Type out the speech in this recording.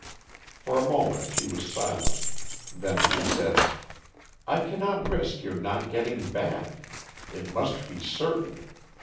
For a moment she was silent. Then she said: "I cannot risk your not getting back. It must be certain.